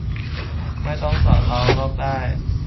ไม่ต้องสอนเราลอกได้